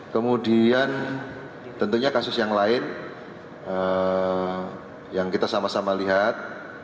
kemudian tentunya kasus yang lain yang kita sama sama lihat